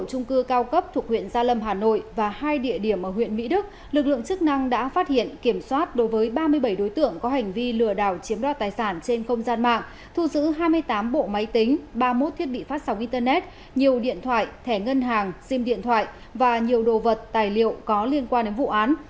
cơ quan công an thu giữ hai mươi tám bộ máy tính ba mươi một thiết bị phát sóng internet nhiều điện thoại thẻ ngân hàng sim điện thoại và nhiều đồ vật tài liệu có liên quan đến vụ án